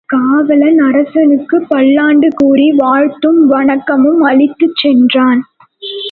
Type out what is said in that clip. காவலன், அரசனுக்குப் பல்லாண்டு கூறி வாழ்த்தும் வணக்கமும் அளித்துச் சென்றான்.